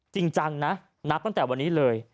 จริงจังนะนับตั้งแต่วันนี้เลย